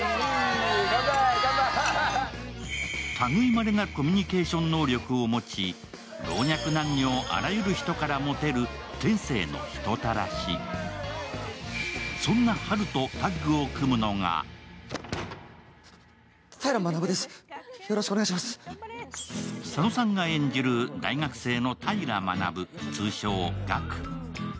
たぐいまれなるコミュニケーション能力を持ち、老若男女あらゆる人からモテる天性の人たらし。そんなハルとタッグを組むのが佐野さんが演じる大学生の平学通称ガク。